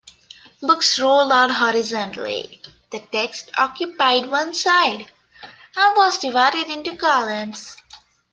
Books rolled out horizontally; the text occupied one side, and was divided into columns.